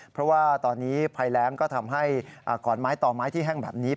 เพราะว่าตอนนี้ภัยแรงก็ทำให้ขอนไม้ต่อไม้ที่แห้งแบบนี้